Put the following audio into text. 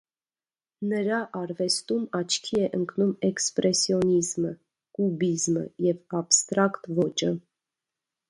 Նրա արվեստում աչքի է ընկնում էքսպրեսիոնիզմը, կուբիզմը և աբստրակտ ոճը։